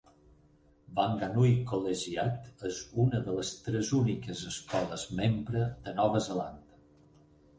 Wanganui Collegiate és una de les tres úniques escoles membre de Nova Zelanda.